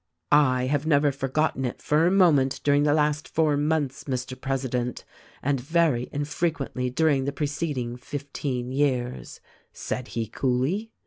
" T have never forgotten it for a moment during the last four months, Mr. President, and very infrequently during the preceding fifteen years,' said he coolly."